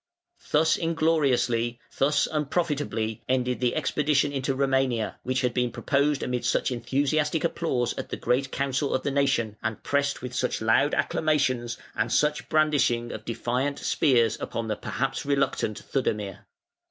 ] Thus ingloriously, thus unprofitably ended the expedition into Romania, which had been proposed amid such enthusiastic applause at the great Council of the nation, and pressed with such loud acclamations and such brandishing of defiant spears upon the perhaps reluctant Theudemir.